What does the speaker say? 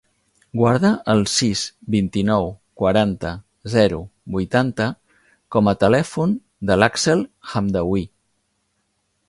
Guarda el sis, vint-i-nou, quaranta, zero, vuitanta com a telèfon de l'Àxel Hamdaoui.